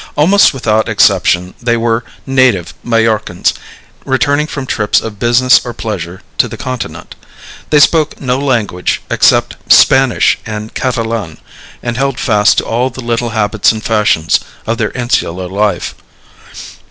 Almost without exception they were native Majorcans, returning from trips of business or pleasure to the Continent. They spoke no language except Spanish and Catalan, and held fast to all the little habits and fashions of their insular life.